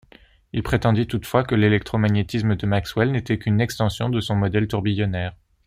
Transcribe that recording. Il prétendit toutefois que l'électromagnétisme de Maxwell n'était qu'une extension de son modèle tourbillonnaire.